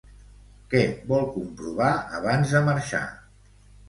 Què vol comprovar abans de marxar?